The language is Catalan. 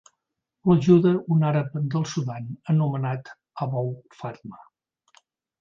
L'ajuda un àrab del Sudan anomenat Abou Fatma.